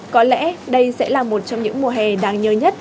có lẽ đây sẽ là một trong những mùa hè đáng nhớ nhất